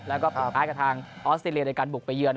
แล้วก็เปลี่ยนไปกับทางออสเตรียในการบุกไปเยือน